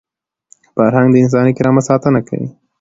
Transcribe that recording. فرهنګ د انساني کرامت ساتنه کوي.